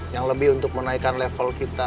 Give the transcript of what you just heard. yang lebih untuk menaikkan level kita